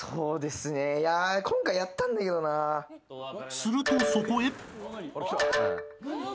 ［するとそこへ］